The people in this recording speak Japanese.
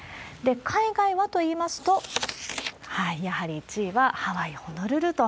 海外はといいますと、やはり１位はハワイ・ホノルルと。